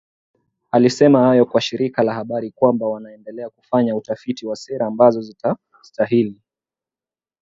Alisema hayo kwa shirika la habari kwamba wanaendelea kufanya utafiti wa sera ambazo zitastahili